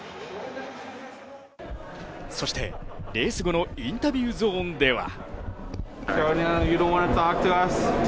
そしてレース後のインタビューゾーンでは。